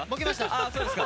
あそうですか。